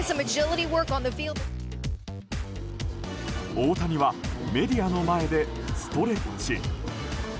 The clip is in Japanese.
大谷はメディアの前でストレッチ。